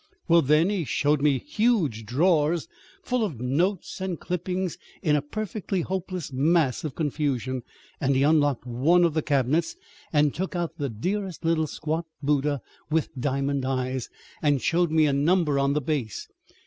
"Well, then he showed me huge drawers full of notes and clippings in a perfectly hopeless mass of confusion, and he unlocked one of the cabinets and took out the dearest little squat Buddha with diamond eyes, and showed me a number on the base.